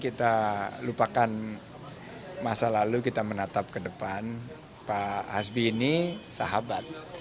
kita lupakan masa lalu kita menatap ke depan pak hasbi ini sahabat